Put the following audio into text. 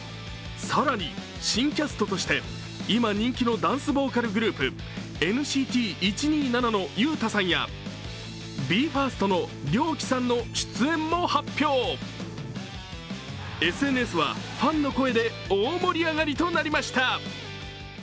更に新キャストとして今人気のダンスボーカルグループ、ＮＣＴ１２７のＹＵＴＡさんやＢＥ：ＦＩＲＳＴのＲＹＯＫＩさんの出演も発表ＳＮＳはファンの声で大盛り上がりとなりました。